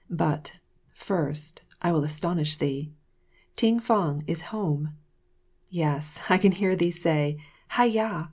But, first, I will astonish thee Ting fang is home! Yes, I can hear thee say, "Hi yah!"